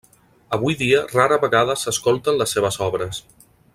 Avui dia rara vegada s'escolten les seves obres.